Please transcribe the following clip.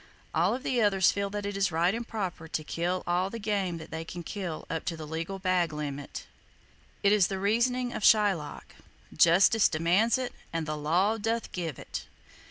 All of the others feel that it is right and proper to kill all the game that they can kill up to the legal bag limit. It is the reasoning of Shylock: "Justice demands it, and the law doth give it!"